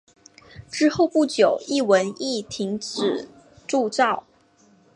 之后不久一文亦停止铸造。